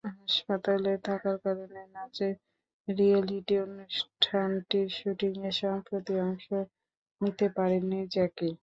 হাসপাতালে থাকার কারণে নাচের রিয়েলিটি অনুষ্ঠানটির শুটিংয়ে সম্প্রতি অংশ নিতে পারেননি জ্যাকি।